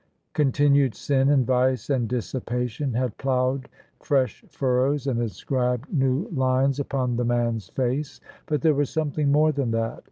Continued sin and vice and dissipation had ploughed fresh furrows and inscribed new lines upon [ 341 J THE SUBJECTION the man's face. But there was something more than that.